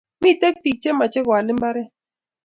Miten pik che mache koal imbaret